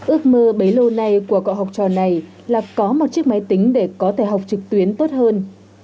ước mơ bấy lâu nay của cậu học trò này là có một chiếc máy tính để có thể học trực tuyến tốt hơn